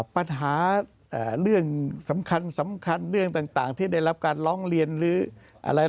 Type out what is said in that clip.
ปัญหาเรื่องสำคัญสำคัญเรื่องต่างที่ได้รับการร้องเรียนหรืออะไร